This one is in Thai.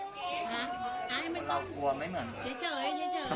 เรากลัวไม่เหมือนกัน